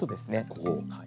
ここ。